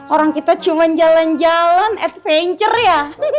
orang kita cuma jalan jalan adventure ya